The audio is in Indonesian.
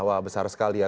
wah besar sekali ya